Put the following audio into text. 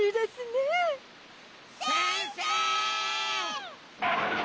先生！